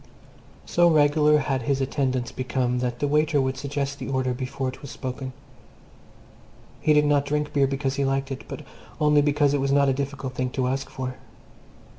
So regular had his attendance become that the waiter would suggest the order before it was spoken. He did not drink beer because he liked it, but only because it was not a difficult thing to ask for.